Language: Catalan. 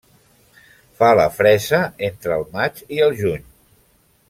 Fa la fresa entre el maig i el juny.